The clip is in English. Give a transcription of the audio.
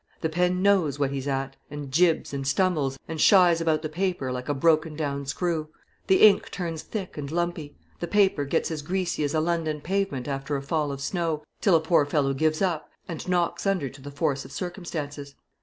The pen knows what he's at, and jibs, and stumbles, and shies about the paper, like a broken down screw; the ink turns thick and lumpy; the paper gets as greasy as a London pavement after a fall of snow, till a poor fellow gives up, and knocks under to the force of circumstances.